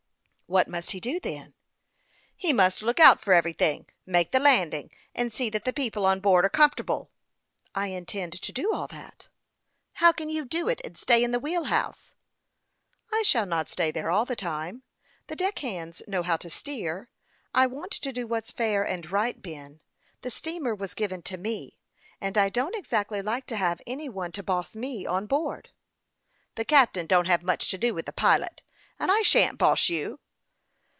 " What must he do, then ?"" He must look out for everything on board, see to making the landing, and that the people on board are comfortable." " I intend to do all that." " How can you do it, and stay in the wheel house all the time ?"" I shall not stay here all the time. The deck hands know how to steer. I want to do what's fair 212 HASTE A\D WASTE, OK and right, Ben. The steamer was given to me ; and I don't exactly like to have any one to boss me on board." " The captain don't have much to do with the pilot, and I shan't boss you."